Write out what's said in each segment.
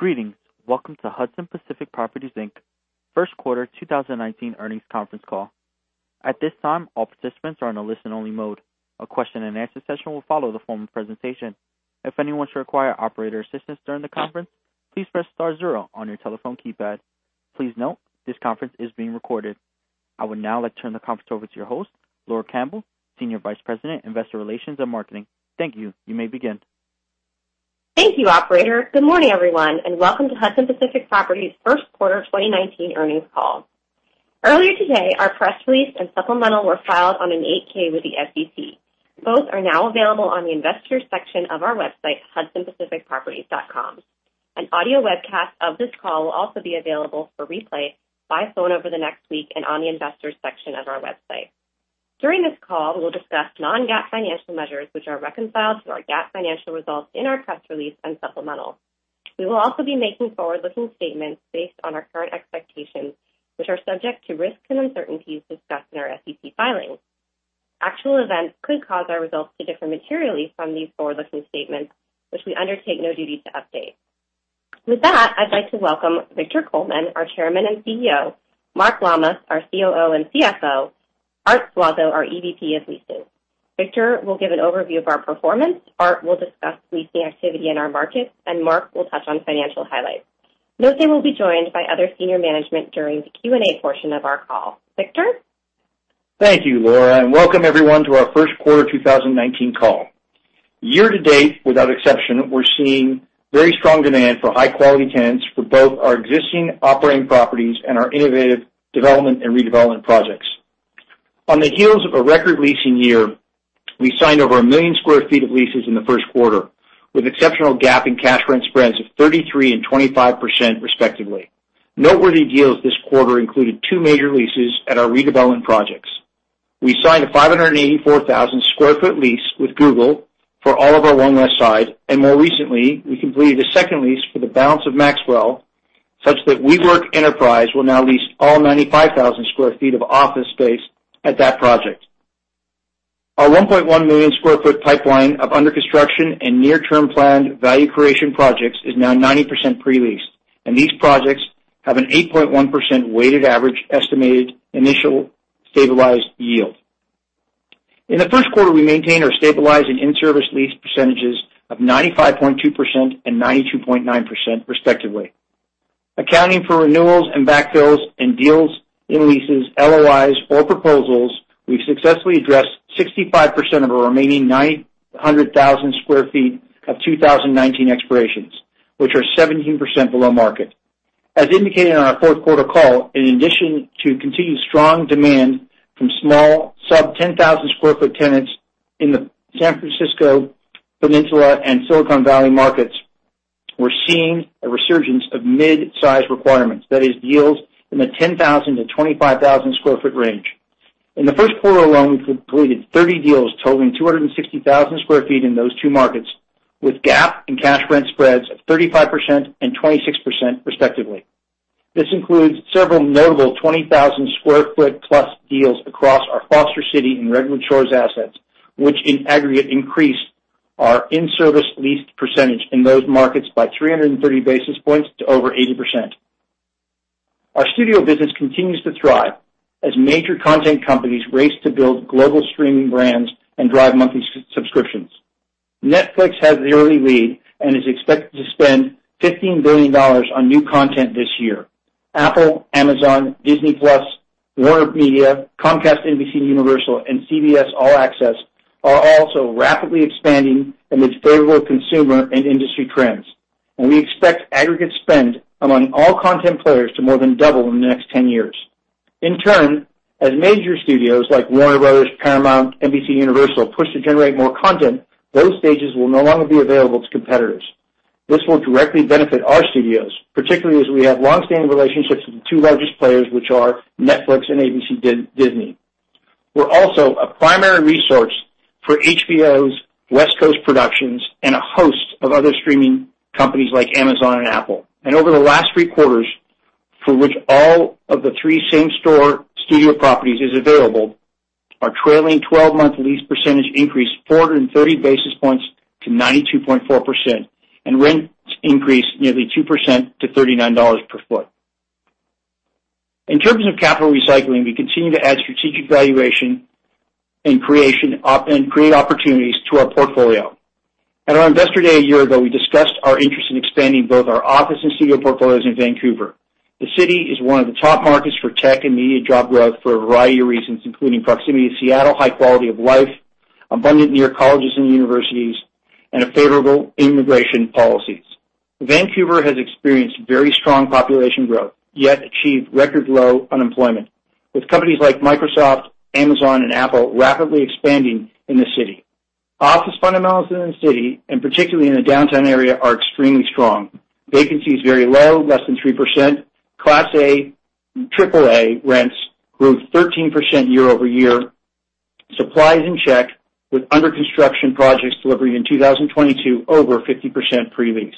Greetings. Welcome to Hudson Pacific Properties, Inc., first quarter 2019 earnings conference call. At this time, all participants are in a listen-only mode. A question and answer session will follow the formal presentation. If anyone should require operator assistance during the conference, please press star zero on your telephone keypad. Please note, this conference is being recorded. I would now like to turn the conference over to your host, Laura Campbell, Senior Vice President, Investor Relations and Marketing. Thank you. You may begin. Thank you, operator. Good morning, everyone, and welcome to Hudson Pacific Properties' first quarter 2019 earnings call. Earlier today, our press release and supplemental were filed on an 8-K with the SEC. Both are now available on the Investors section of our website, hudsonpacificproperties.com. An audio webcast of this call will also be available for replay by phone over the next week and on the Investors section of our website. During this call, we will discuss non-GAAP financial measures, which are reconciled through our GAAP financial results in our press release and supplemental. We will also be making forward-looking statements based on our current expectations, which are subject to risks and uncertainties discussed in our SEC filings. Actual events could cause our results to differ materially from these forward-looking statements, which we undertake no duty to update. With that, I would like to welcome Victor Coleman, our Chairman and Chief Executive Officer, Mark Lammas, our COO and CFO, Arthur Suazo, our EVP of Leasing. Victor will give an overview of our performance, Art will discuss leasing activity in our markets, and Mark will touch on financial highlights. Note they will be joined by other senior management during the Q&A portion of our call. Victor? Thank you, Laura, and welcome everyone to our first quarter 2019 call. Year to date, without exception, we are seeing very strong demand for high-quality tenants for both our existing operating properties and our innovative development and redevelopment projects. On the heels of a record leasing year, we signed over 1 million square feet of leases in the first quarter, with exceptional GAAP and cash rent spreads of 33% and 25% respectively. Noteworthy deals this quarter included two major leases at our redevelopment projects. We signed a 584,000 square foot lease with Google for One Westside, and more recently, we completed a second lease for the balance of Maxwell, such that WeWork Enterprise will now lease all 95,000 square feet of office space at that project. Our 1.1 million square foot pipeline of under construction and near-term planned value creation projects is now 90% pre-leased. These projects have an 8.1% weighted average estimated initial stabilized yield. In the first quarter, we maintained our stabilized and in-service lease percentages of 95.2% and 92.9% respectively. Accounting for renewals and backfills in deals, in leases, LOIs or proposals, we've successfully addressed 65% of our remaining 900,000 square feet of 2019 expirations, which are 17% below market. As indicated on our fourth quarter call, in addition to continued strong demand from small sub 10,000 square foot tenants in the San Francisco Peninsula and Silicon Valley markets, we're seeing a resurgence of mid-size requirements. That is deals in the 10,000 to 25,000 square foot range. In the first quarter alone, we've completed 30 deals totaling 260,000 square feet in those two markets, with GAAP and cash rent spreads of 35% and 26% respectively. This includes several notable 20,000 square foot plus deals across our Foster City and Redwood Shores assets, which in aggregate increased our in-service leased percentage in those markets by 330 basis points to over 80%. Our studio business continues to thrive as major content companies race to build global streaming brands and drive monthly subscriptions. Netflix has the early lead and is expected to spend $15 billion on new content this year. Apple, Amazon, Disney+, WarnerMedia, Comcast NBCUniversal, and CBS All Access are also rapidly expanding amid favorable consumer and industry trends. We expect aggregate spend among all content players to more than double in the next 10 years. In turn, as major studios like Warner Bros., Paramount, NBCUniversal push to generate more content, those stages will no longer be available to competitors. This will directly benefit our studios, particularly as we have longstanding relationships with the two largest players, which are Netflix and ABC Disney. We're also a primary resource for HBO's West Coast Productions and a host of other streaming companies like Amazon and Apple. Over the last three quarters, for which all of the three same-store studio properties is available, our trailing 12-month lease percentage increased 430 basis points to 92.4%, and rents increased nearly 2% to $39 per foot. In terms of capital recycling, we continue to add strategic valuation and create opportunities to our portfolio. At our investor day a year ago, we discussed our interest in expanding both our office and studio portfolios in Vancouver. The city is one of the top markets for tech and media job growth for a variety of reasons, including proximity to Seattle, high quality of life, abundant near colleges and universities, and a favorable immigration policies. Vancouver has experienced very strong population growth, yet achieved record low unemployment, with companies like Microsoft, Amazon, and Apple rapidly expanding in the city. Office fundamentals in the city, particularly in the downtown area, are extremely strong. Vacancy is very low, less than 3%. Class A triple A rents grew 13% year-over-year. Supply is in check with under-construction projects delivering in 2022 over 50% pre-leased.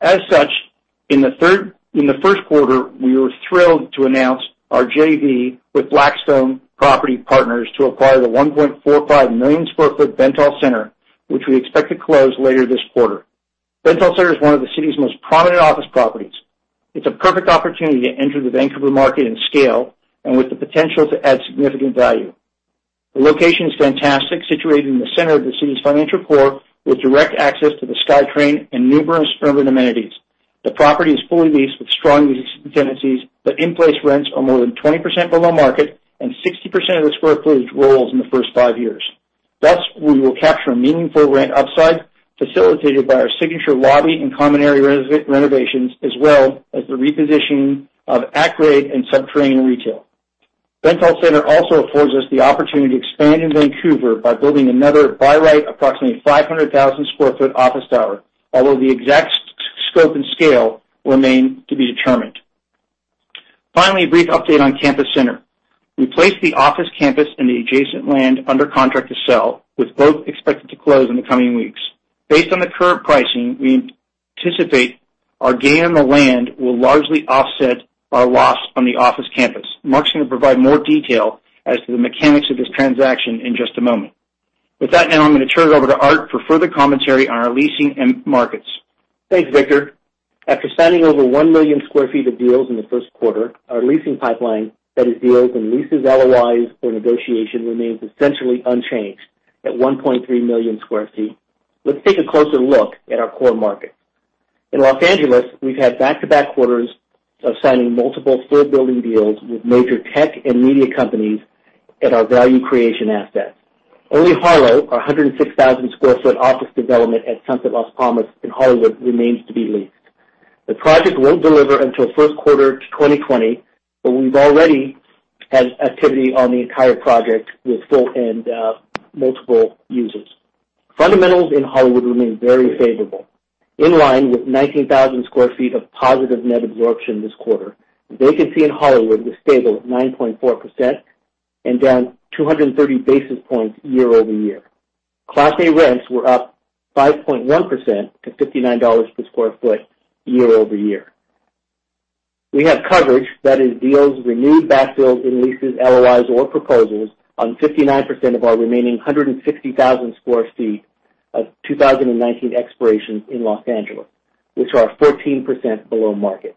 As such, in the first quarter, we were thrilled to announce our JV with Blackstone Property Partners to acquire the 1.45 million square foot Bentall Center, which we expect to close later this quarter. Bentall Center is one of the city's most prominent office properties. It's a perfect opportunity to enter the Vancouver market in scale and with the potential to add significant value. The location is fantastic, situated in the center of the city's financial core, with direct access to the SkyTrain and numerous urban amenities. The property is fully leased with strong leasing tenancies, but in-place rents are more than 20% below market, and 60% of the square footage rolls in the first five years. Thus, we will capture meaningful rent upside, facilitated by our signature lobby and common area renovations, as well as the repositioning of at-grade and subterranean retail. Bentall Center also affords us the opportunity to expand in Vancouver by building another buy-right, approximately 500,000 square foot office tower. Although the exact scope and scale remain to be determined. Finally, a brief update on Campus Center. We placed the office campus and the adjacent land under contract to sell, with both expected to close in the coming weeks. Based on the current pricing, we anticipate our gain on the land will largely offset our loss on the office campus. Mark is going to provide more detail as to the mechanics of this transaction in just a moment. With that, now I'm going to turn it over to Art for further commentary on our leasing and markets. Thanks, Victor. After signing over 1 million square feet of deals in the first quarter, our leasing pipeline, that is deals and leases, LOIs for negotiation, remains essentially unchanged at 1.3 million square feet. Let's take a closer look at our core market. In Los Angeles, we've had back-to-back quarters of signing multiple full-building deals with major tech and media companies at our value creation assets. Only Harlow, our 106,000 square foot office development at Sunset Las Palmas in Hollywood, remains to be leased. The project won't deliver until first quarter 2020, but we've already had activity on the entire project with full and multiple users. Fundamentals in Hollywood remain very favorable, in line with 19,000 square feet of positive net absorption this quarter. Vacancy in Hollywood was stable at 9.4% and down 230 basis points year over year. Class A rents were up 5.1% to $59 per square foot year over year. We have coverage, that is deals, renewed backfill, and leases, LOIs or proposals on 59% of our remaining 160,000 square feet of 2019 expirations in Los Angeles, which are 14% below market.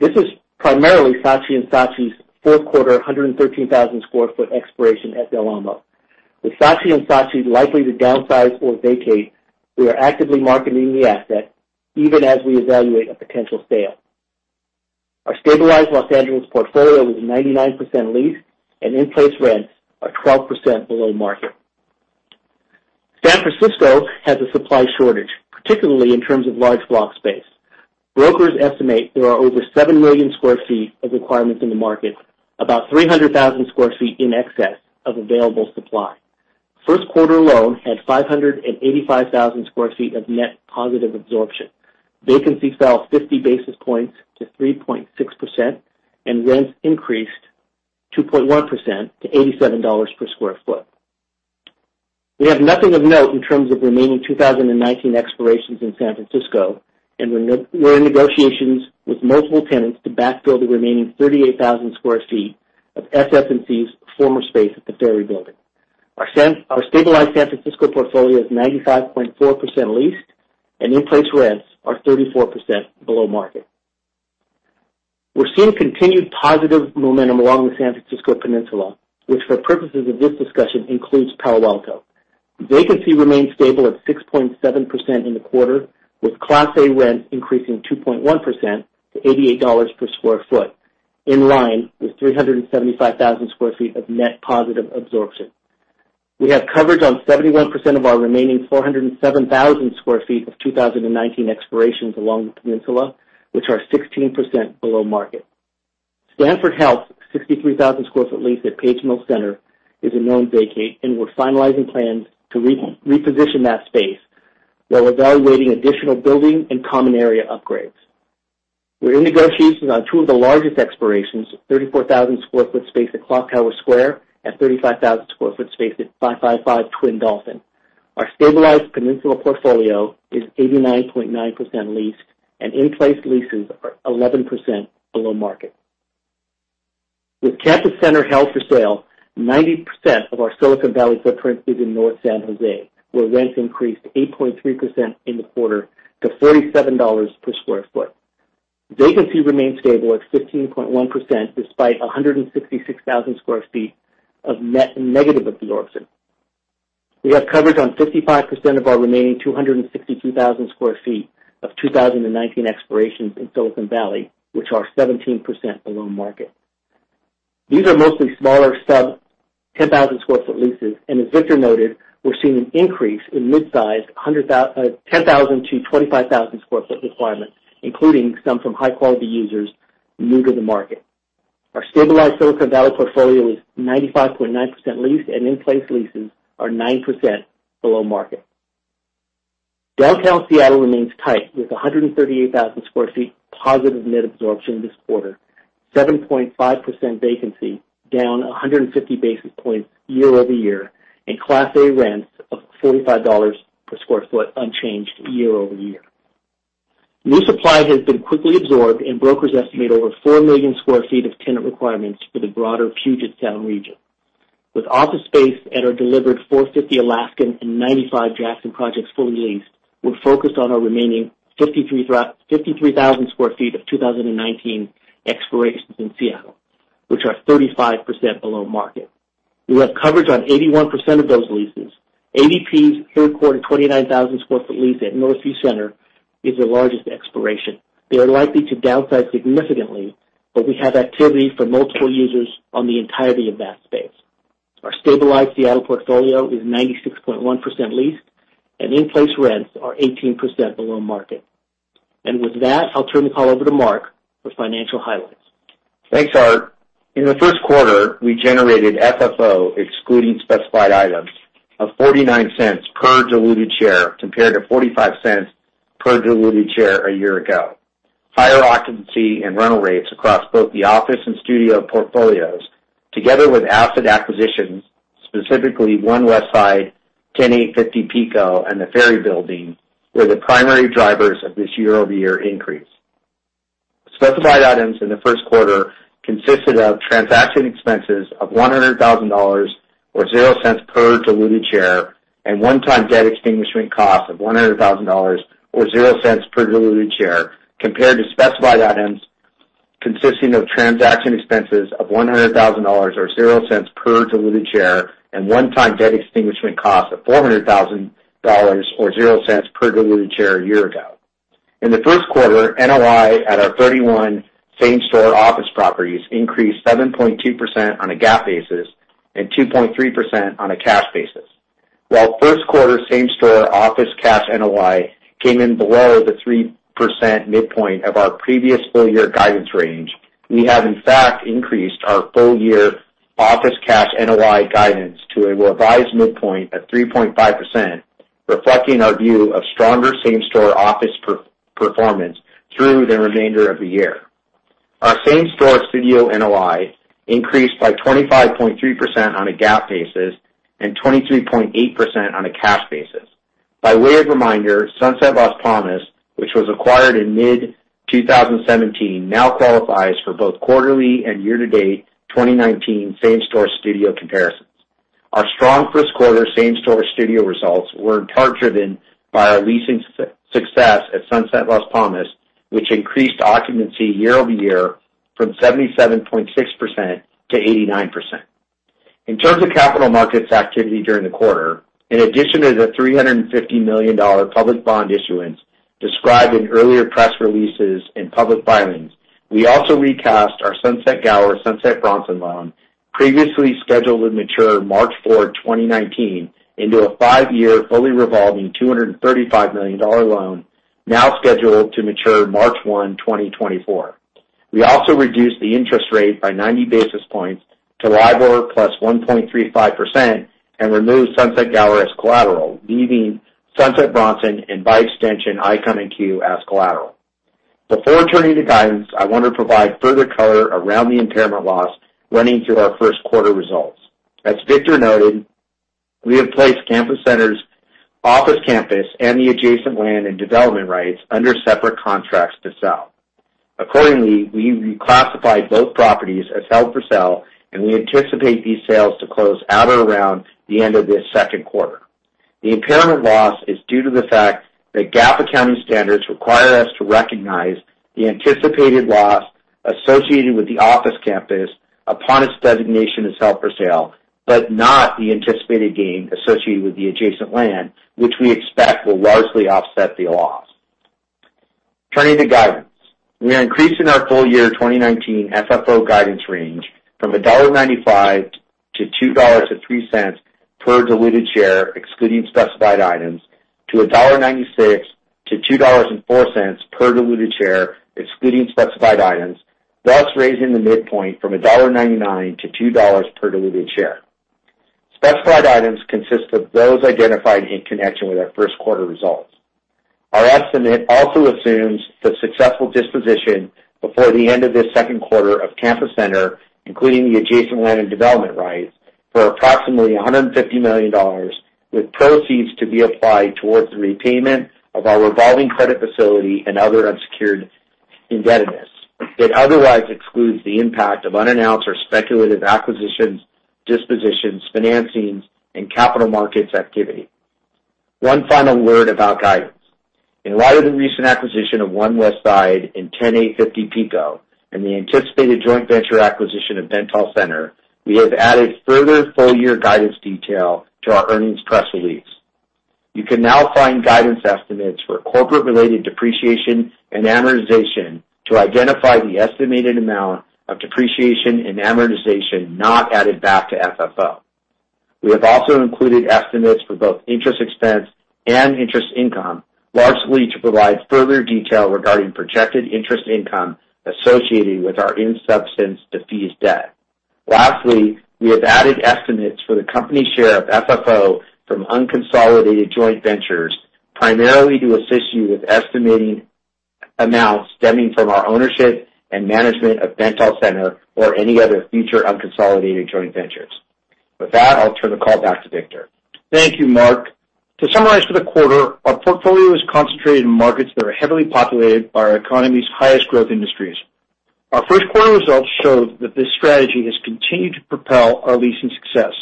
This is primarily Saatchi & Saatchi's fourth quarter 113,000-square-foot expiration at Del Amo. With Saatchi & Saatchi likely to downsize or vacate, we are actively marketing the asset even as we evaluate a potential sale. Our stabilized Los Angeles portfolio is 99% leased and in-place rents are 12% below market. San Francisco has a supply shortage, particularly in terms of large block space. Brokers estimate there are over 7 million square feet of requirements in the market, about 300,000 square feet in excess of available supply. First quarter alone had 585,000 square feet of net positive absorption. Vacancy fell 50 basis points to 3.6%, and rents increased 2.1% to $87 per square foot. We have nothing of note in terms of remaining 2019 expirations in San Francisco, and we're in negotiations with multiple tenants to backfill the remaining 38,000 square feet of SS&C's former space at the Ferry Building. Our stabilized San Francisco portfolio is 95.4% leased, and in-place rents are 34% below market. We're seeing continued positive momentum along the San Francisco Peninsula, which for purposes of this discussion, includes Palo Alto. Vacancy remained stable at 6.7% in the quarter, with Class A rents increasing 2.1% to $88 per square foot, in line with 375,000 square feet of net positive absorption. We have coverage on 71% of our remaining 407,000 square feet of 2019 expirations along the peninsula, which are 16% below market. Stanford Health, 63,000 square foot lease at Page Mill Center, is a known vacate, and we're finalizing plans to reposition that space, while evaluating additional building and common area upgrades. We're in negotiations on two of the largest expirations, 34,000 square foot space at Clocktower Square and 35,000 square foot space at 555 Twin Dolphin. Our stabilized Peninsula portfolio is 89.9% leased, and in-place leases are 11% below market. With Campus Center held for sale, 90% of our Silicon Valley footprint is in North San Jose, where rents increased 8.3% in the quarter to $47 per square foot. Vacancy remains stable at 15.1%, despite 166,000 square feet of net negative absorption. We have coverage on 55% of our remaining 262,000 square feet of 2019 expirations in Silicon Valley, which are 17% below market. These are mostly smaller sub 10,000 square foot leases, and as Victor noted, we're seeing an increase in mid-size 10,000 to 25,000 square foot requirements, including some from high-quality users new to the market. Our stabilized Silicon Valley portfolio is 95.9% leased, and in-place leases are 9% below market. Downtown Seattle remains tight with 138,000 square feet positive net absorption this quarter, 7.5% vacancy, down 150 basis points year-over-year, and Class A rents of $45 per square foot unchanged year-over-year. New supply has been quickly absorbed, and brokers estimate over 4 million square feet of tenant requirements for the broader Puget Sound region. With office space at our delivered 450 Alaskan and 95 Jackson projects fully leased, we're focused on our remaining 53,000 square feet of 2019 expirations in Seattle, which are 35% below market. We have coverage on 81% of those leases. ADP's third quarter 29,000-square-foot lease at Northview Center is the largest expiration. They are likely to downsize significantly, but we have activity for multiple users on the entirety of that space. Our stabilized Seattle portfolio is 96.1% leased, and in-place rents are 18% below market. With that, I'll turn the call over to Mark for financial highlights. Thanks, Art. In the first quarter, we generated FFO, excluding specified items, of $0.49 per diluted share compared to $0.45 per diluted share a year ago. Higher occupancy and rental rates across both the office and studio portfolios, together with asset acquisitions, specifically One Westside, 10850 Pico, and The Ferry Building, were the primary drivers of this year-over-year increase. Specified items in the first quarter consisted of transaction expenses of $100,000, or $0.00 per diluted share, and one-time debt extinguishment cost of $100,000, or $0.00 per diluted share, compared to specified items consisting of transaction expenses of $100,000, or $0.00 per diluted share, and one-time debt extinguishment cost of $400,000, or $0.00 per diluted share a year ago. In the first quarter, NOI at our 31 same-store office properties increased 7.2% on a GAAP basis and 2.3% on a cash basis. While first quarter same-store office cash NOI came in below the 3% midpoint of our previous full year guidance range, we have in fact increased our full year office cash NOI guidance to a revised midpoint of 3.5%, reflecting our view of stronger same-store office performance through the remainder of the year. Our same-store studio NOI increased by 25.3% on a GAAP basis and 23.8% on a cash basis. By way of reminder, Sunset Las Palmas, which was acquired in mid-2017, now qualifies for both quarterly and year-to-date 2019 same-store studio comparisons. Our strong first quarter same-store studio results were in part driven by our leasing success at Sunset Las Palmas, which increased occupancy year-over-year from 77.6% to 89%. In terms of capital markets activity during the quarter, in addition to the $350 million public bond issuance described in earlier press releases and public filings, we also recast our Sunset Gower/Sunset Bronson loan, previously scheduled to mature March 4, 2019, into a five-year fully revolving $235 million loan now scheduled to mature March 1, 2024. We also reduced the interest rate by 90 basis points to LIBOR plus 1.35% and removed Sunset Gower as collateral, leaving Sunset Bronson, and by extension, Icon and CUE, as collateral. Before turning to guidance, I want to provide further color around the impairment loss running through our first quarter results. As Victor noted, we have placed Campus Center's office campus and the adjacent land and development rights under separate contracts to sell. Accordingly, we've reclassified both properties as held for sale, and we anticipate these sales to close at or around the end of this second quarter. The impairment loss is due to the fact that GAAP accounting standards require us to recognize the anticipated loss associated with the office campus upon its designation as held for sale, but not the anticipated gain associated with the adjacent land, which we expect will largely offset the loss. Turning to guidance. We are increasing our full year 2019 FFO guidance range from $1.95-$2.03 per diluted share, excluding specified items, to $1.96-$2.04 per diluted share, excluding specified items, thus raising the midpoint from $1.99-$2.00 per diluted share. Specified items consist of those identified in connection with our first quarter results. Our estimate also assumes the successful disposition before the end of this second quarter of Campus Center, including the adjacent land and development rights, for approximately $150 million, with proceeds to be applied towards the repayment of our revolving credit facility and other unsecured indebtedness. It otherwise excludes the impact of unannounced or speculative acquisitions, dispositions, financings, and capital markets activity. One final word about guidance. In light of the recent acquisition of One Westside and 10850 Pico and the anticipated joint venture acquisition of Bentall Center, we have added further full-year guidance detail to our earnings press release. You can now find guidance estimates for corporate-related depreciation and amortization to identify the estimated amount of depreciation and amortization not added back to FFO. We have also included estimates for both interest expense and interest income, largely to provide further detail regarding projected interest income associated with our in-substance defeased debt. Lastly, we have added estimates for the company share of FFO from unconsolidated joint ventures, primarily to assist you with estimating amounts stemming from our ownership and management of Bentall Center or any other future unconsolidated joint ventures. With that, I'll turn the call back to Victor. Thank you, Mark. To summarize for the quarter, our portfolio is concentrated in markets that are heavily populated by our economy's highest growth industries. Our first quarter results show that this strategy has continued to propel our leasing success.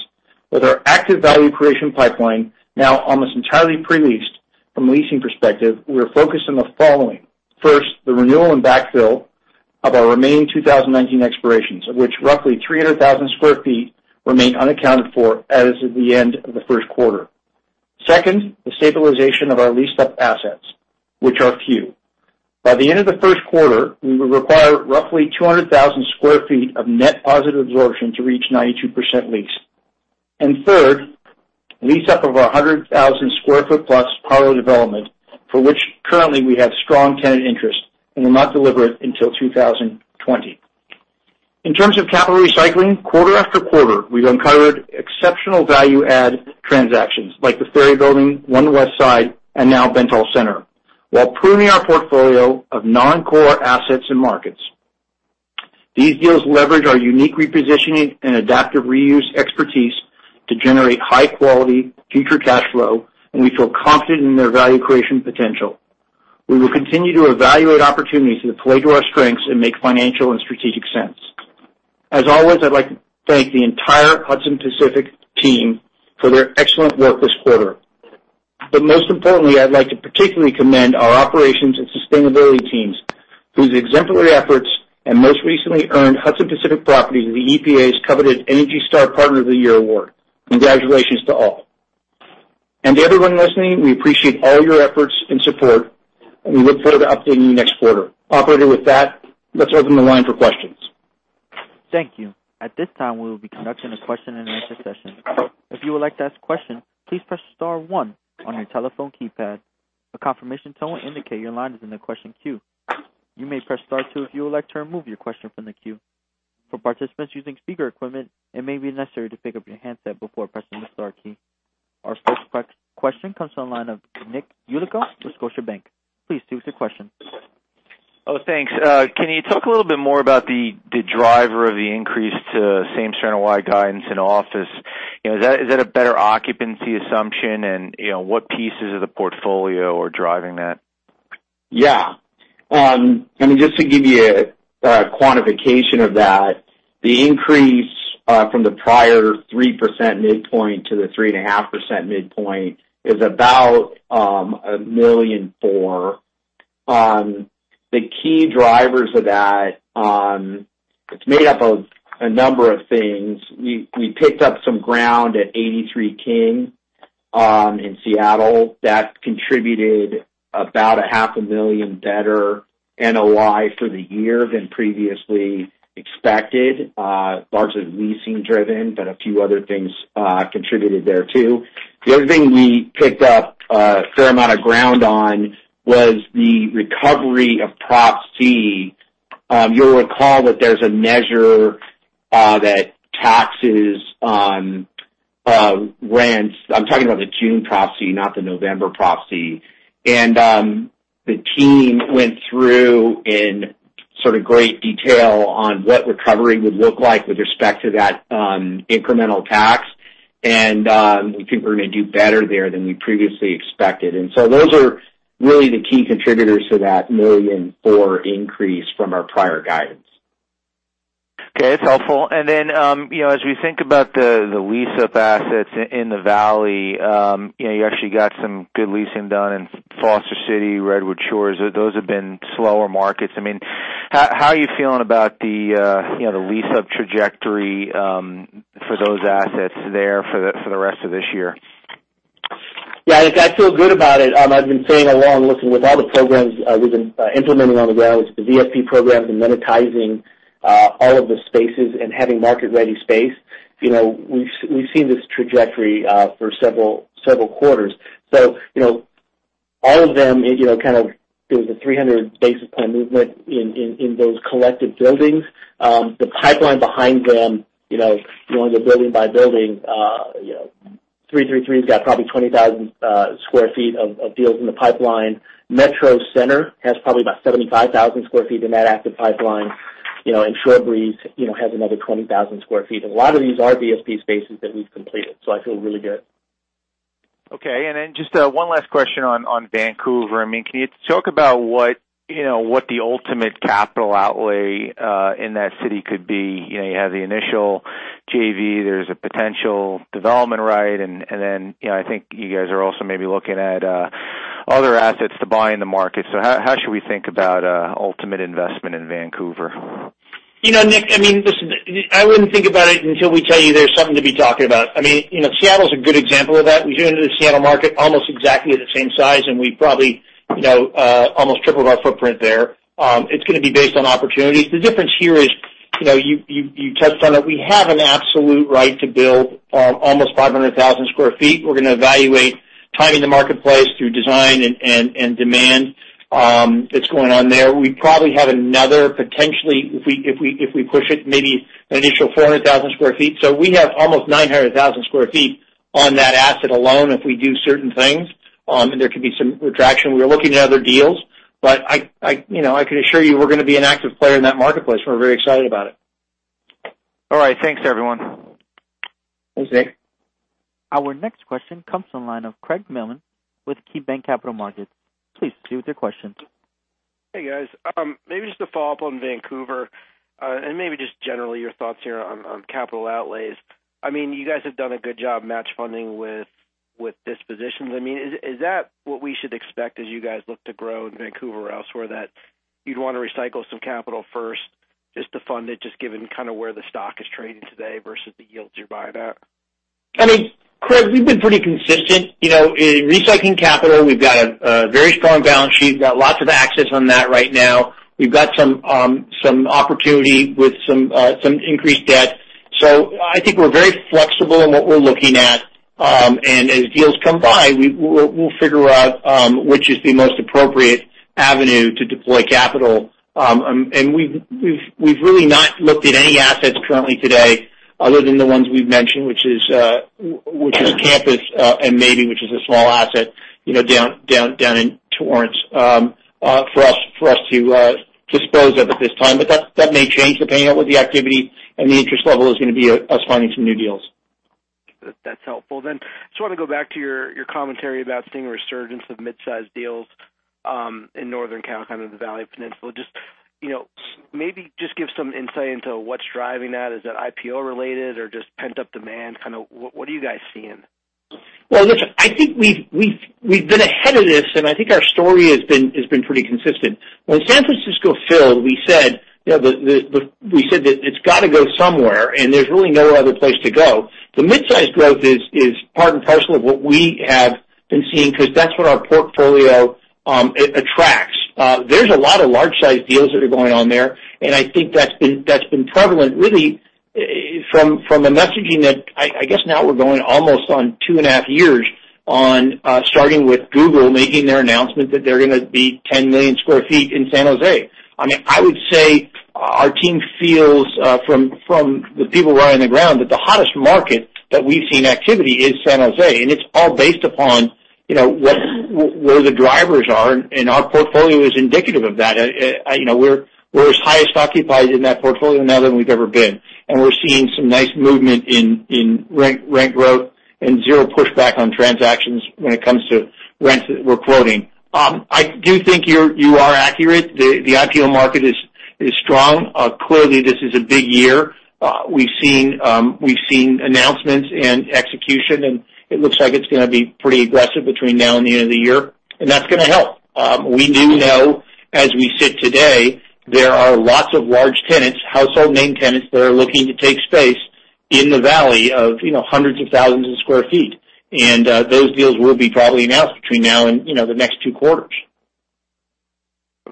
With our active value creation pipeline now almost entirely pre-leased, from a leasing perspective, we're focused on the following. First, the renewal and backfill of our remaining 2019 expirations, of which roughly 300,000 square feet remain unaccounted for as of the end of the first quarter. Second, the stabilization of our leased-up assets, which are few. By the end of the first quarter, we will require roughly 200,000 square feet of net positive absorption to reach 92% lease. Third, lease up of our 100,000 square foot plus Harlow development, for which currently we have strong tenant interest and will not deliver it until 2020. In terms of capital recycling, quarter after quarter, we've uncovered exceptional value-add transactions like the Ferry Building, One Westside, and now Bentall Center, while pruning our portfolio of non-core assets and markets. These deals leverage our unique repositioning and adaptive reuse expertise to generate high-quality future cash flow, and we feel confident in their value creation potential. We will continue to evaluate opportunities that play to our strengths and make financial and strategic sense. As always, I'd like to thank the entire Hudson Pacific team for their excellent work this quarter. Most importantly, I'd like to particularly commend our operations and sustainability teams, whose exemplary efforts and most recently earned Hudson Pacific Properties the EPA's coveted Energy Star Partner of the Year award. Congratulations to all. To everyone listening, we appreciate all your efforts and support, and we look forward to updating you next quarter. Operator, with that, let's open the line for questions. Thank you. At this time, we will be conducting a question and answer session. If you would like to ask a question, please press star one on your telephone keypad. A confirmation tone will indicate your line is in the question queue. You may press star two if you would like to remove your question from the queue. For participants using speaker equipment, it may be necessary to pick up your handset before pressing the star key. Our first question comes from the line of Nicholas Yulico with Scotiabank. Please proceed with your question. Oh, thanks. Can you talk a little bit more about the driver of the increase to same-store guidance in office? Is that a better occupancy assumption? What pieces of the portfolio are driving that? Yeah. Just to give you a quantification of that, the increase from the prior 3% midpoint to the 3.5% midpoint is about $1 million and $4. The key drivers of that, it's made up of a number of things. We picked up some ground at 83 King in Seattle. That contributed about a half a million better NOI for the year than previously expected. Largely leasing driven, but a few other things contributed there, too. The other thing we picked up a fair amount of ground on was the recovery of Proposition C. You'll recall that there's a measure that taxes on rents. I'm talking about the June Proposition C, not the November Proposition C. The team went through in sort of great detail on what recovery would look like with respect to that incremental tax. We think we're going to do better there than we previously expected. Those are really the key contributors to that $1,000,004 increase from our prior guidance. Okay. It's helpful. As we think about the lease-up assets in the Valley, you actually got some good leasing done in Foster City, Redwood Shores. Those have been slower markets. How are you feeling about the lease-up trajectory for those assets there for the rest of this year? Nick, I feel good about it. I've been saying along, listen, with all the programs we've been implementing on the ground, the VSP programs and monetizing all of the spaces and having market-ready space, we've seen this trajectory for several quarters. All of them, kind of, there's a 300 basis point movement in those collective buildings. The pipeline behind them, going to building by building, 333's got probably 20,000 sq ft of deals in the pipeline. Metro Center has probably about 75,000 sq ft in that active pipeline. ShoreBreeze has another 20,000 sq ft. A lot of these are VSP spaces that we've completed, so I feel really good. Okay. Just one last question on Vancouver. Can you talk about what the ultimate capital outlay in that city could be? You have the initial JV. There's a potential development right. I think you guys are also maybe looking at other assets to buy in the market. How should we think about ultimate investment in Vancouver? Nick, listen, I wouldn't think about it until we tell you there's something to be talking about. Seattle's a good example of that. We came into the Seattle market almost exactly the same size, and we probably almost tripled our footprint there. It's going to be based on opportunities. The difference here is, you touched on it, we have an absolute right to build almost 500,000 square feet. We're going to evaluate timing the marketplace through design and demand that's going on there. We probably have another potentially, if we push it, maybe an initial 400,000 square feet. We have almost 900,000 square feet on that asset alone if we do certain things. There could be some retraction. We're looking at other deals. I can assure you we're going to be an active player in that marketplace. We're very excited about it. All right, thanks everyone. Thanks, Nick. Our next question comes from the line of Craig Mailman with KeyBanc Capital Markets. Please proceed with your question. Hey, guys. Maybe just to follow up on Vancouver, and maybe just generally your thoughts here on capital outlays. You guys have done a good job match funding with dispositions. Is that what we should expect as you guys look to grow in Vancouver or elsewhere, that you'd want to recycle some capital first just to fund it, just given kind of where the stock is trading today versus the yields you're buying at? Craig, we've been pretty consistent. In recycling capital, we've got a very strong balance sheet. We've got lots of access on that right now. We've got some opportunity with some increased debt. I think we're very flexible in what we're looking at. As deals come by, we'll figure out which is the most appropriate avenue to deploy capital. We've really not looked at any assets currently today other than the ones we've mentioned, which is Campus, and maybe, which is a small asset, down in Torrance, for us to dispose of at this time. That may change depending on what the activity and the interest level is going to be us finding some new deals. That's helpful. Just want to go back to your commentary about seeing a resurgence of mid-size deals in Northern Cal, kind of the Valley and Peninsula. Just maybe just give some insight into what's driving that. Is that IPO related or just pent-up demand? Kind of what are you guys seeing? Well, listen, I think we've been ahead of this, and I think our story has been pretty consistent. When San Francisco filled, we said that it's got to go somewhere, and there's really no other place to go. The mid-size growth is part and parcel of what we have been seeing because that's what our portfolio attracts. There's a lot of large-size deals that are going on there, and I think that's been prevalent really from the messaging that I guess now we're going almost on two and a half years on starting with Google making their announcement that they're going to be 10 million sq ft in San Jose. I would say our team feels, from the people who are on the ground, that the hottest market that we've seen activity is San Jose, and it's all based upon where the drivers are, and our portfolio is indicative of that. We're as highest occupied in that portfolio now than we've ever been. We're seeing some nice movement in rent growth and zero pushback on transactions when it comes to rents that we're quoting. I do think you are accurate. The IPO market is strong. Clearly, this is a big year. We've seen announcements and execution, and it looks like it's going to be pretty aggressive between now and the end of the year, and that's going to help. We do know, as we sit today, there are lots of large tenants, household name tenants, that are looking to take space in the valley of hundreds of thousands of sq ft. Those deals will be probably announced between now and the next two quarters.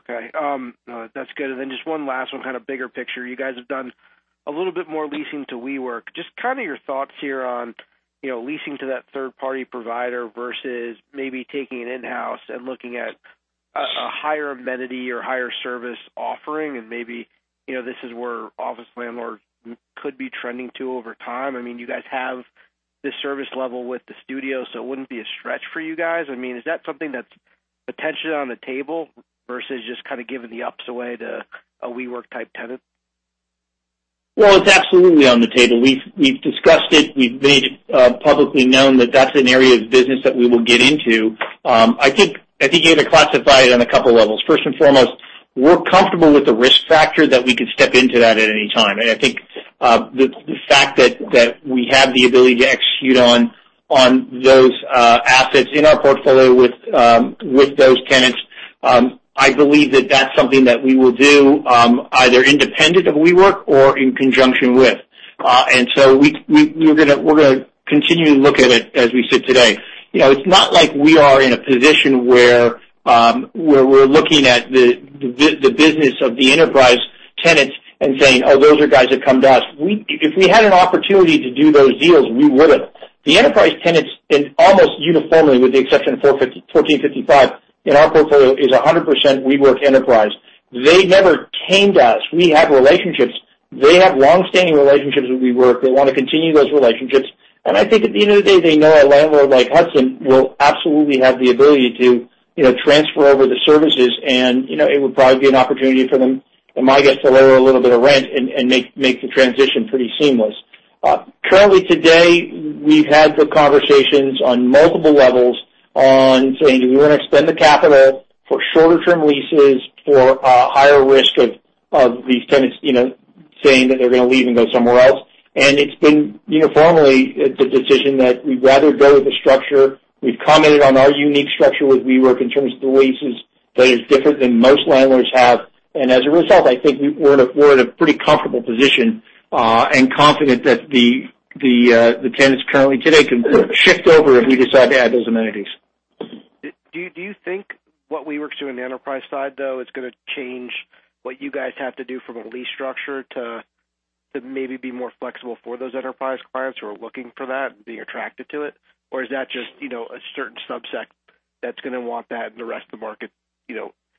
Okay. No, that's good. Just one last one, kind of bigger picture. You guys have done a little bit more leasing to WeWork. Just kind of your thoughts here on leasing to that third-party provider versus maybe taking it in-house and looking at a higher amenity or higher service offering, and maybe this is where office landlords could be trending to over time. You guys have this service level with the studio, so it wouldn't be a stretch for you guys. Is that something that's potentially on the table versus just kind of giving the ups away to a WeWork-type tenant? Well, it's absolutely on the table. We've discussed it. We've made it publicly known that that's an area of business that we will get into. I think you have to classify it on a couple of levels. First and foremost, we're comfortable with the risk factor that we could step into that at any time. I think the fact that we have the ability to execute on those assets in our portfolio with those tenants, I believe that that's something that we will do, either independent of WeWork or in conjunction with. We're going to continue to look at it as we sit today. It's not like we are in a position where we're looking at the business of the enterprise tenants and saying, "Oh, those are guys that come to us." If we had an opportunity to do those deals, we would have. The enterprise tenants, almost uniformly, with the exception of 1455, in our portfolio, is 100% WeWork Enterprise. They never came to us. We have relationships. They have long-standing relationships with WeWork. They want to continue those relationships. I think at the end of the day, they know a landlord like Hudson will absolutely have the ability to transfer over the services, and it would probably be an opportunity for them, in my guess, to lower a little bit of rent and make the transition pretty seamless. Currently today, we've had the conversations on multiple levels on saying, do we want to spend the capital for shorter-term leases for a higher risk of these tenants saying that they're going to leave and go somewhere else? It's been uniformly the decision that we'd rather go with the structure. We've commented on our unique structure with WeWork in terms of the leases that is different than most landlords have. As a result, I think we're in a pretty comfortable position, and confident that the tenants currently today can shift over if we decide to add those amenities. Do you think what WeWork's doing on the enterprise side, though, is going to change what you guys have to do from a lease structure to maybe be more flexible for those enterprise clients who are looking for that and being attracted to it? Or is that just a certain subset that's going to want that and the rest of the market-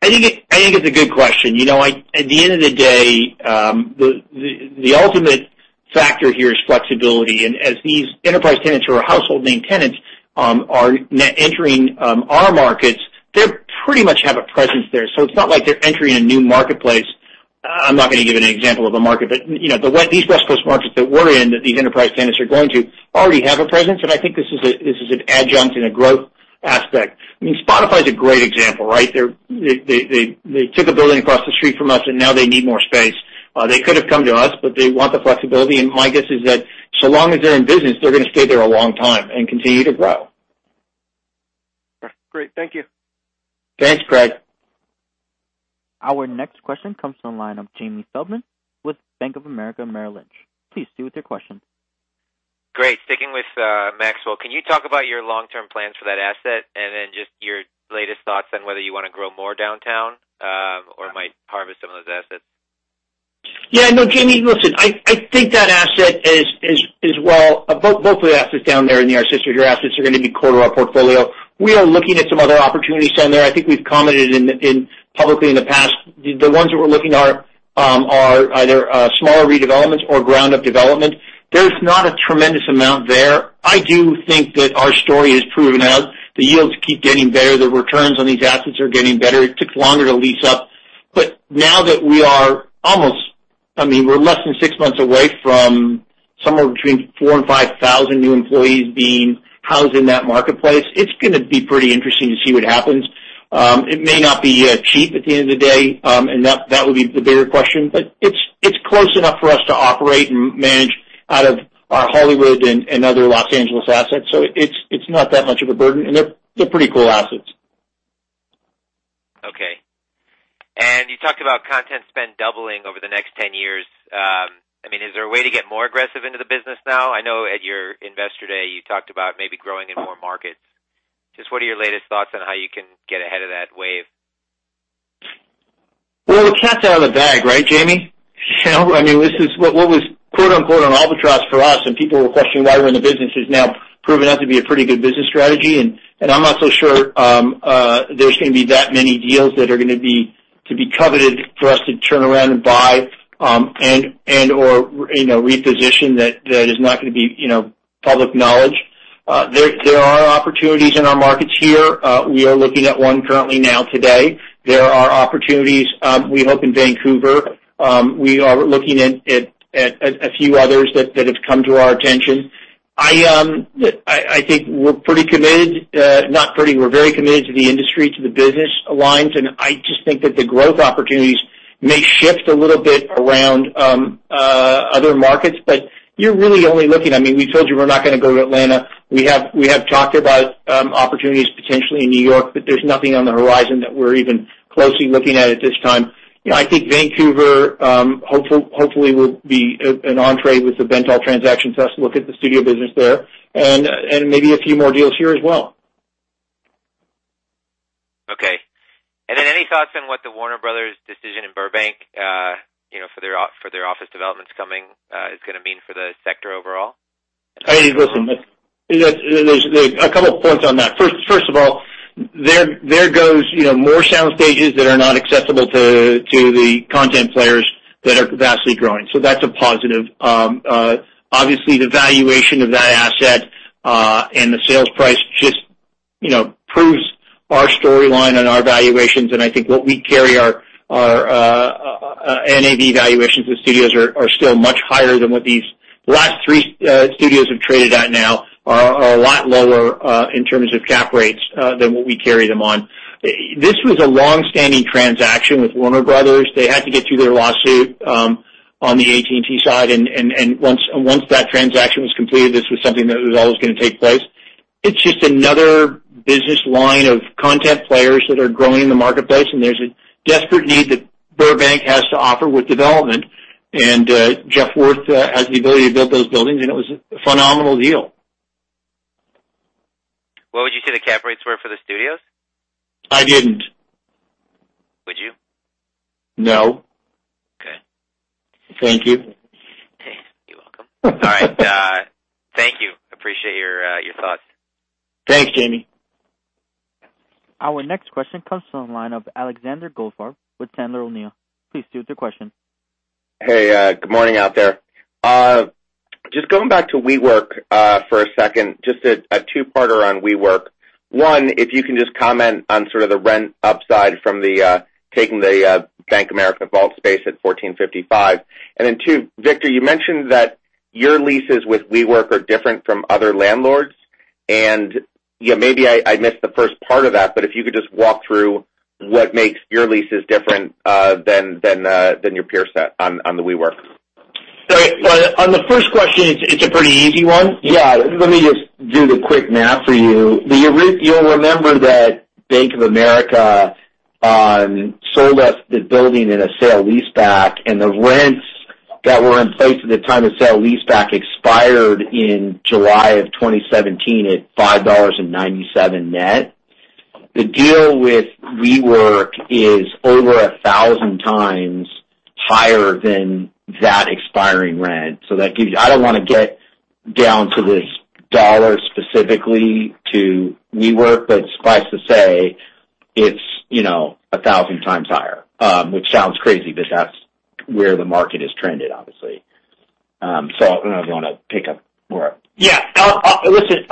I think it's a good question. At the end of the day, the ultimate factor here is flexibility. As these enterprise tenants or household name tenants are net entering our markets, they pretty much have a presence there. It's not like they're entering a new marketplace. I'm not going to give an example of a market, but these West Coast markets that we're in, that these enterprise tenants are going to, already have a presence. I think this is an adjunct in a growth aspect. Spotify is a great example, right? They took a building across the street from us, and now they need more space. They could have come to us, but they want the flexibility, and my guess is that so long as they're in business, they're going to stay there a long time and continue to grow. Great. Thank you. Thanks, Craig. Our next question comes from the line of Jamie Feldman with Bank of America Merrill Lynch. Please proceed with your question. Great. Sticking with Maxwell, can you talk about your long-term plans for that asset and then just your latest thoughts on whether you want to grow more downtown, or might harvest some of those assets? Yeah. No, Jamie, listen, I think both of the assets down there in the sister are going to be core to our portfolio. We are looking at some other opportunities down there. I think we've commented publicly in the past. The ones that we're looking are either smaller redevelopments or ground-up development. There's not a tremendous amount there. I do think that our story has proven out. The yields keep getting better. The returns on these assets are getting better. It took longer to lease up. Now that we're less than six months away from somewhere between 4,000 and 5,000 new employees being housed in that marketplace, it's going to be pretty interesting to see what happens. It may not be cheap at the end of the day, and that would be the bigger question, but it's close enough for us to operate and manage out of our Hollywood and other Los Angeles assets. It's not that much of a burden, and they're pretty cool assets. Okay. You talked about content spend doubling over the next 10 years. Is there a way to get more aggressive into the business now? I know at your Investor Day, you talked about maybe growing in more markets. Just what are your latest thoughts on how you can get ahead of that wave? Well, the cat's out of the bag, right, Jamie? What was "an albatross" for us, and people were questioning why we're in the business, has now proven out to be a pretty good business strategy, and I'm not so sure there's going to be that many deals that are going to be coveted for us to turn around and buy and/or reposition that is not going to be public knowledge. There are opportunities in our markets here. We are looking at one currently now today. There are opportunities, we hope, in Vancouver. We are looking at a few others that have come to our attention. I think we're very committed to the industry, to the business lines, and I just think that the growth opportunities may shift a little bit around other markets. You're really only looking-- We told you we're not going to go to Atlanta. We have talked about opportunities potentially in New York, but there's nothing on the horizon that we're even closely looking at this time. I think Vancouver, hopefully, will be an entrée with the Bentall transaction for us to look at the studio business there, and maybe a few more deals here as well. Okay. Any thoughts on what the Warner Bros. decision in Burbank, for their office developments coming, is going to mean for the sector overall? Listen, there's a couple of points on that. First of all, there goes more sound stages that are not accessible to the content players that are vastly growing. That's a positive. Obviously, the valuation of that asset and the sales price just proves our storyline and our valuations. I think what we carry our NAV valuations with studios are still much higher than what these last three studios have traded at now, are a lot lower in terms of cap rates than what we carry them on. This was a long-standing transaction with Warner Bros. They had to get through their lawsuit on the AT&T side, and once that transaction was completed, this was something that was always going to take place. It's just another business line of content players that are growing in the marketplace, and there's a desperate need that Burbank has to offer with development. Jeffrey Worthe has the ability to build those buildings, and it was a phenomenal deal. What would you say the cap rates were for the studios? I didn't. Would you? No. Okay. Thank you. You're welcome. All right. Thank you. Appreciate your thoughts. Thanks, Jamie. Our next question comes from the line of Alexander Goldfarb with Sandler O'Neill. Please proceed with your question. Hey, good morning out there. Just going back to WeWork for a second. Just a two-parter on WeWork. One, if you can just comment on sort of the rent upside from taking the Bank of America vault space at 1455. Two, Victor, you mentioned that your leases with WeWork are different from other landlords. And maybe I missed the first part of that, but if you could just walk through what makes your leases different than your peers on the WeWork. On the first question, it's a pretty easy one. Yeah. Let me just do the quick math for you. You'll remember that Bank of America sold us the building in a sale leaseback, and the rents that were in place at the time the sale leaseback expired in July of 2017 at $5.97 net. The deal with WeWork is over 1,000 times higher than that expiring rent. I don't want to get down to this dollar specifically to WeWork. It's 1,000 times higher, which sounds crazy, but that's where the market has trended, obviously. I don't know if you want to pick up more. Yeah. Listen,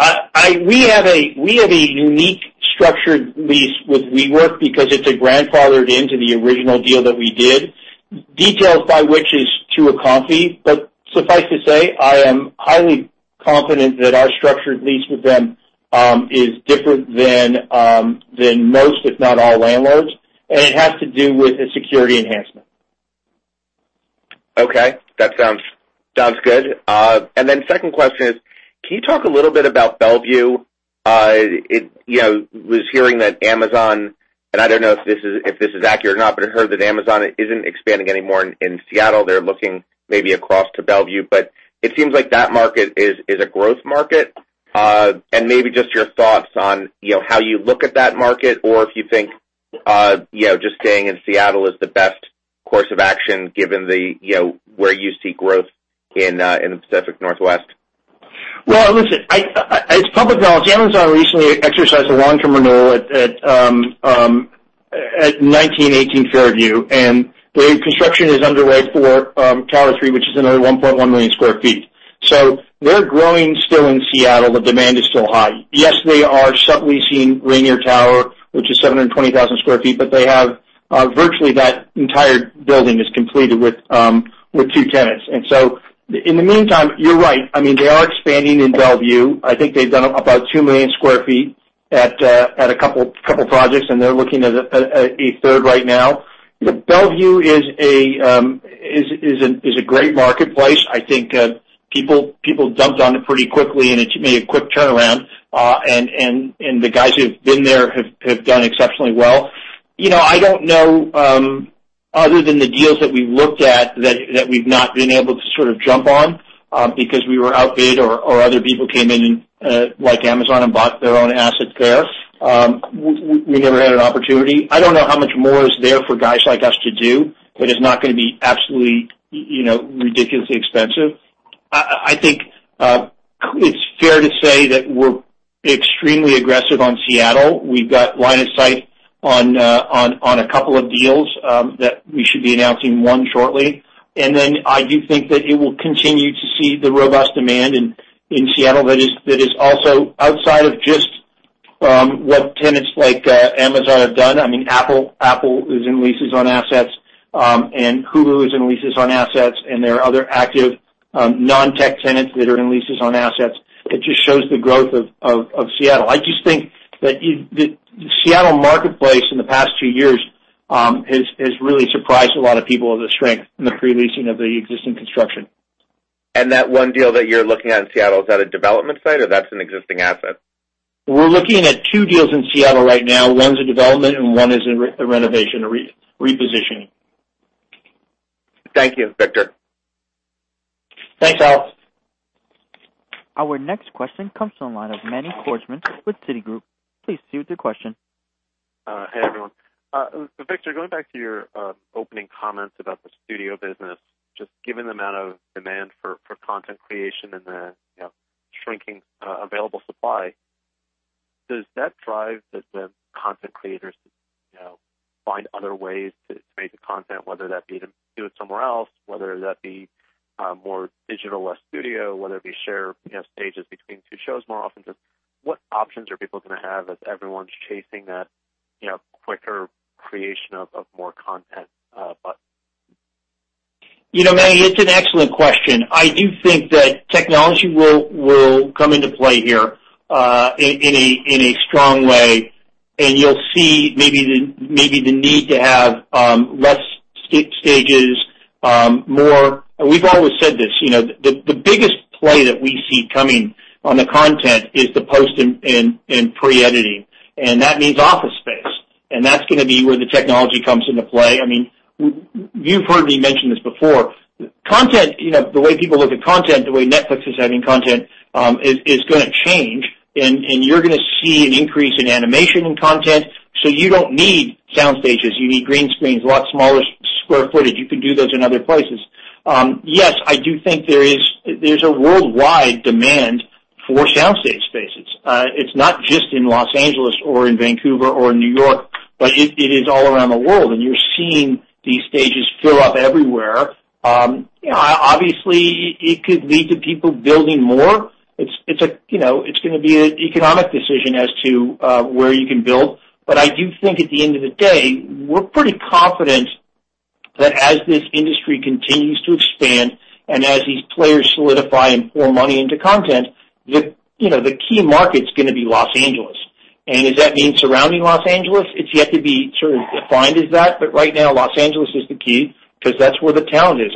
we have a unique structured lease with WeWork because it's grandfathered into the original deal that we did, details by which is too confidential. Suffice to say, I am highly confident that our structured lease with them is different than most, if not all, landlords, and it has to do with a security enhancement. Okay. That sounds good. Second question is, can you talk a little bit about Bellevue? I was hearing that Amazon, and I don't know if this is accurate or not, but I heard that Amazon isn't expanding anymore in Seattle. They're looking maybe across to Bellevue. It seems like that market is a growth market. Maybe just your thoughts on how you look at that market, or if you think just staying in Seattle is the best course of action given where you see growth in the Pacific Northwest. Well, listen, it's public knowledge. Amazon recently exercised a long-term renewal at 1918 Eighth, and the construction is underway for Tower 3, which is another 1.1 million sq ft. They're growing still in Seattle. The demand is still high. Yes, they are subleasing Rainier Tower, which is 720,000 sq ft, but virtually that entire building is completed with two tenants. In the meantime, you're right. They are expanding in Bellevue. I think they've done about 2 million sq ft at a couple projects, and they're looking at a third right now. Bellevue is a great marketplace. I think people jumped on it pretty quickly, and it made a quick turnaround. The guys who've been there have done exceptionally well. I don't know, other than the deals that we've looked at that we've not been able to sort of jump on because we were outbid or other people came in, like Amazon, and bought their own asset there. We never had an opportunity. I don't know how much more is there for guys like us to do that is not going to be absolutely ridiculously expensive. I think it's fair to say that we're extremely aggressive on Seattle. We've got line of sight on a couple of deals, that we should be announcing one shortly. I do think that it will continue to see the robust demand in Seattle that is also outside of just what tenants like Amazon have done. Apple is in leases on assets, and Hulu is in leases on assets, and there are other active non-tech tenants that are in leases on assets. It just shows the growth of Seattle. I just think that the Seattle marketplace in the past few years has really surprised a lot of people of the strength in the pre-leasing of the existing construction. That one deal that you're looking at in Seattle, is that a development site, or that's an existing asset? We're looking at two deals in Seattle right now. One's a development and one is a renovation, a repositioning. Thank you, Victor. Thanks, Alex. Our next question comes from the line of Manny Korchman with Citigroup. Please proceed with your question. Hey, everyone. Victor, going back to your opening comments about the studio business, just given the amount of demand for content creation and the shrinking available supply, does that drive the content creators to find other ways to make the content, whether that be to do it somewhere else, whether that be more digital, less studio, whether it be share stages between two shows more often? Just what options are people going to have as everyone's chasing that quicker creation of more content? Manny, it's an excellent question. I do think that technology will come into play here in a strong way, You'll see maybe the need to have less stages. We've always said this. The biggest play that we see coming on the content is the post and pre-editing, That means office space. That's going to be where the technology comes into play. You've heard me mention this before. The way people look at content, the way Netflix is having content, is going to change, You're going to see an increase in animation in content, so you don't need sound stages. You need green screens, a lot smaller square footage. You can do those in other places. Yes, I do think there's a worldwide demand for sound stage spaces. It's not just in Los Angeles or in Vancouver or New York, You're seeing these stages fill up everywhere. Obviously, it could lead to people building more. It's going to be an economic decision as to where you can build. I do think at the end of the day, we're pretty confident that as this industry continues to expand and as these players solidify and pour money into content, the key market's going to be Los Angeles. Does that mean surrounding Los Angeles? It's yet to be sort of defined as that. Right now, Los Angeles is the key because that's where the talent is.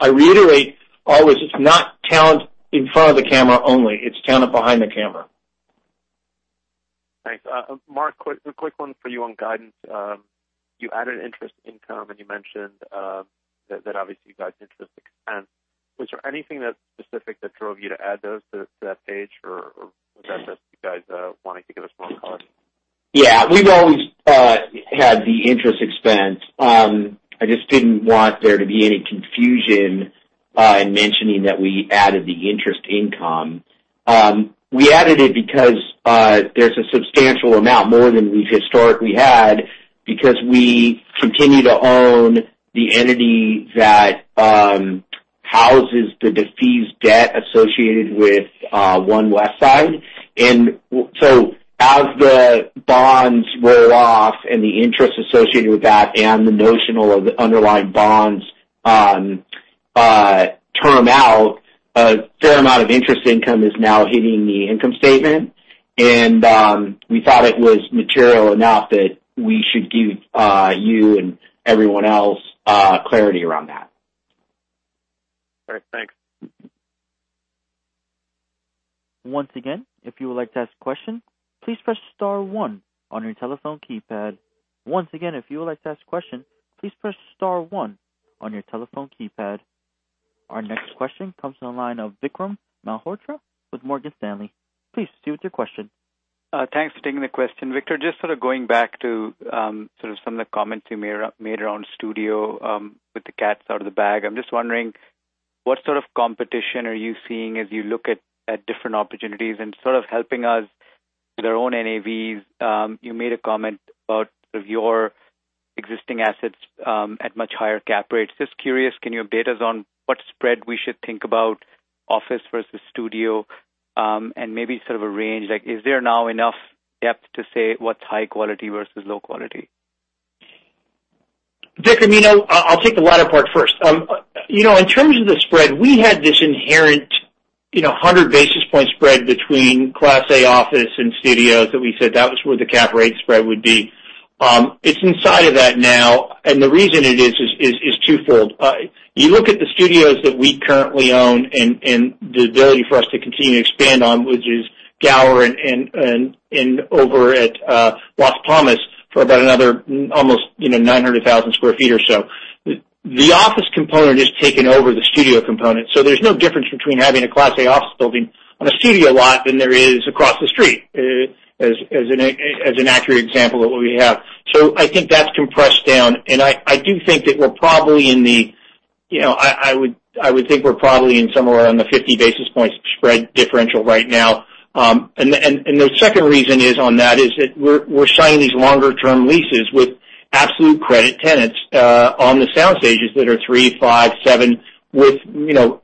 I reiterate always, it's not talent in front of the camera only. It's talent behind the camera. Thanks. Mark, a quick one for you on guidance. You added interest income, You mentioned that obviously you guys did interest expense. Was there anything specific that drove you to add those to that page, or was that just you guys wanting to give a small call out? Yeah. We've always had the interest expense. I just didn't want there to be any confusion in mentioning that we added the interest income. We added it because there's a substantial amount, more than we've historically had, because we continue to own the entity that houses the defeased debt associated with One Westside. As the bonds roll off and the interest associated with that and the notional of the underlying bonds turn out, a fair amount of interest income is now hitting the income statement. We thought it was material enough that we should give you and everyone else clarity around that. All right. Thanks. Once again, if you would like to ask a question, please press star one on your telephone keypad. Once again, if you would like to ask a question, please press star one on your telephone keypad. Our next question comes from the line of Vikram Malhotra with Morgan Stanley. Please proceed with your question. Thanks for taking the question. Victor, just sort of going back to some of the comments you made around studio with the cats out of the bag. I'm just wondering, what sort of competition are you seeing as you look at different opportunities and sort of helping us with our own NAVs? You made a comment about your existing assets at much higher cap rates. Just curious, can you update us on what spread we should think about office versus studio? Maybe sort of a range, like is there now enough depth to say what's high quality versus low quality? Vikram, I'll take the latter part first. In terms of the spread, we had this inherent 100 basis points spread between Class A office and studios that we said that was where the cap rate spread would be. It's inside of that now, and the reason it is twofold. You look at the studios that we currently own and the ability for us to continue to expand on, which is Gower and over at Las Palmas for about another almost 900,000 sq ft or so. The office component has taken over the studio component. There's no difference between having a Class A office building on a studio lot than there is across the street, as an accurate example of what we have. I think that's compressed down, and I do think that we're probably in somewhere around the 50 basis points spread differential right now. The second reason is on that is that we're signing these longer-term leases with absolute credit tenants on the sound stages that are three, five, seven, with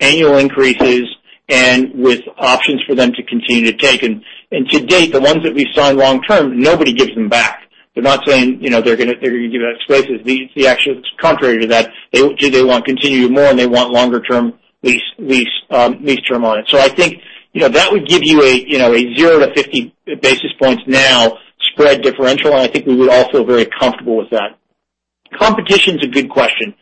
annual increases and with options for them to continue to take. To date, the ones that we sign long-term, nobody gives them back. They're not saying they're going to give it up spaces. The action's contrary to that. They want to continue more, and they want longer-term lease term on it. I think that would give you a zero to 50 basis points now spread differential, and I think we would all feel very comfortable with that. Competition's a good question.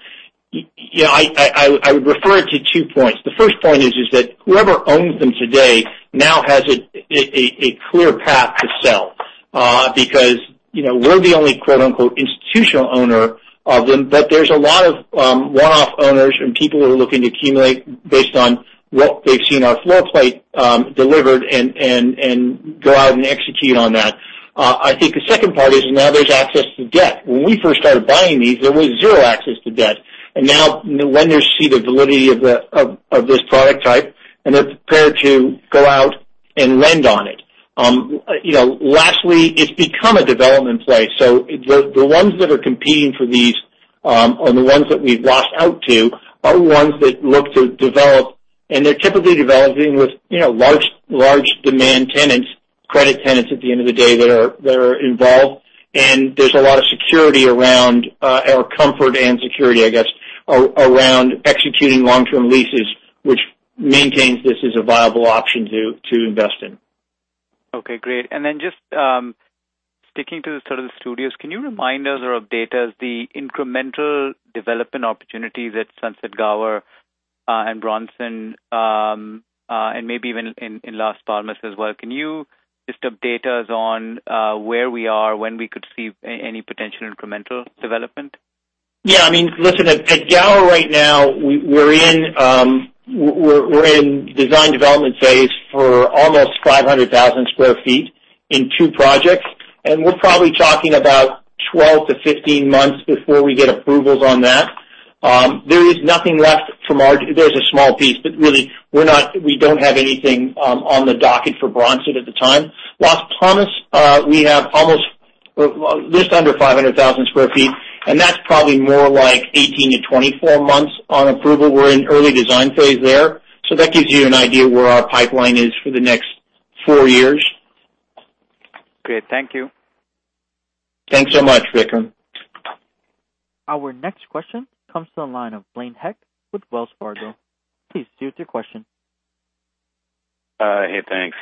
I would refer it to two points. The first point is that whoever owns them today now has a clear path to sell. We're the only "institutional owner" of them, but there's a lot of one-off owners and people who are looking to accumulate based on what they've seen our floor plate delivered and go out and execute on that. I think the second part is now there's access to debt. When we first started buying these, there was zero access to debt, and now lenders see the validity of this product type, and they're prepared to go out and lend on it. Lastly, it's become a development play. The ones that are competing for these, or the ones that we've lost out to, are ones that look to develop, and they're typically developing with large demand tenants, credit tenants at the end of the day that are involved. There's a lot of security around our comfort and security, I guess, around executing long-term leases, which maintains this as a viable option to invest in. Okay, great. Just sticking to the sort of the studios, can you remind us or update us the incremental development opportunities at Sunset Gower and Bronson, and maybe even in Las Palmas as well? Can you just update us on where we are, when we could see any potential incremental development? Yeah. Listen, at Gower right now, we're in design development phase for almost 500,000 sq ft in two projects, we're probably talking about 12-15 months before we get approvals on that. There's a small piece, but really, we don't have anything on the docket for Bronson at the time. Las Palmas, we have almost just under 500,000 sq ft, that's probably more like 18-24 months on approval. We're in early design phase there. That gives you an idea where our pipeline is for the next four years. Great. Thank you. Thanks so much, Vikram. Our next question comes to the line of Blaine Heck with Wells Fargo. Please proceed with your question. Hey, thanks.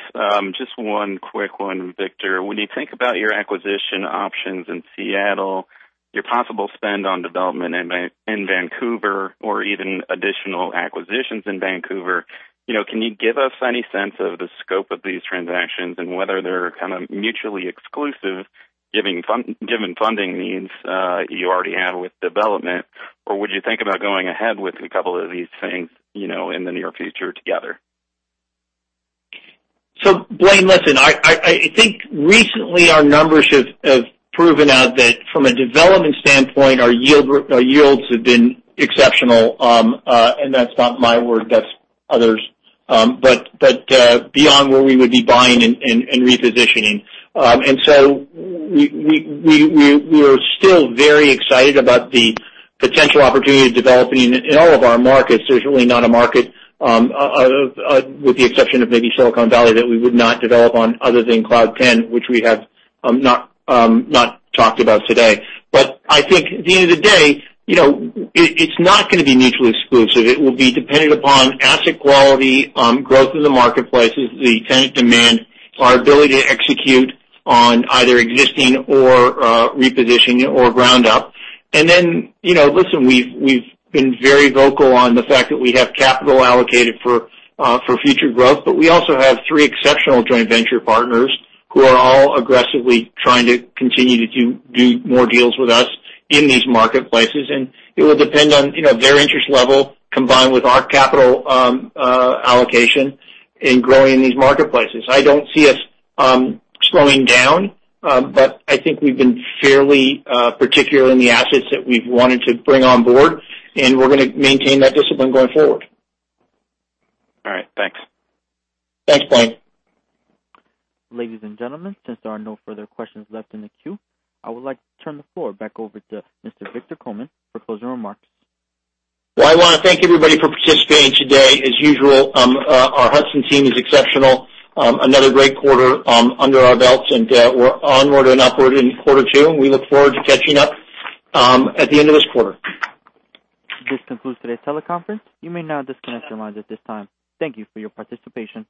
Just one quick one, Victor. When you think about your acquisition options in Seattle, your possible spend on development in Vancouver or even additional acquisitions in Vancouver, can you give us any sense of the scope of these transactions and whether they're kind of mutually exclusive, given funding needs you already have with development? Would you think about going ahead with a couple of these things in the near future together? Blaine, listen, I think recently our numbers have proven out that from a development standpoint, our yields have been exceptional, and that's not my word, that's others, beyond where we would be buying and repositioning. We're still very excited about the potential opportunity to develop in all of our markets. There's really not a market, with the exception of maybe Silicon Valley, that we would not develop on other than Cloud 10, which we have not talked about today. I think at the end of the day, it's not going to be mutually exclusive. It will be dependent upon asset quality, growth in the marketplace, the tenant demand, our ability to execute on either existing or repositioning or ground up. Then, listen, we've been very vocal on the fact that we have capital allocated for future growth, but we also have three exceptional joint venture partners who are all aggressively trying to continue to do more deals with us in these marketplaces. It will depend on their interest level combined with our capital allocation in growing these marketplaces. I don't see us slowing down, but I think we've been fairly particular in the assets that we've wanted to bring on board, and we're going to maintain that discipline going forward. All right. Thanks. Thanks, Blaine. Ladies and gentlemen, since there are no further questions left in the queue, I would like to turn the floor back over to Mr. Victor Coleman for closing remarks. Well, I want to thank everybody for participating today. As usual, our Hudson team is exceptional. Another great quarter under our belts, we're onward and upward in quarter 2, we look forward to catching up at the end of this quarter. This concludes today's teleconference. You may now disconnect your lines at this time. Thank you for your participation.